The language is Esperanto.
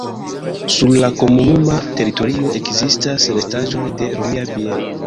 Sur la komunuma teritorio ekzistas restaĵoj de romia bieno.